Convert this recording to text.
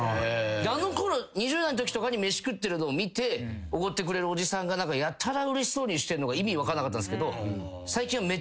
あの頃２０代のときとかに飯食ってるのを見ておごってくれるおじさんがやたらうれしそうにしてんのが意味分かんなかったんすけど最近はうれしいというか。